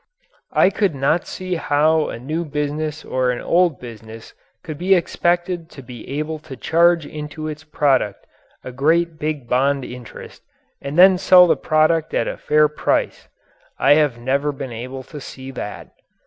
I could not see how a new business or an old business could be expected to be able to charge into its product a great big bond interest and then sell the product at a fair price. I have never been able to see that.